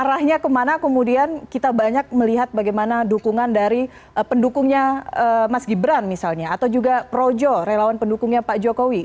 arahnya kemana kemudian kita banyak melihat bagaimana dukungan dari pendukungnya mas gibran misalnya atau juga projo relawan pendukungnya pak jokowi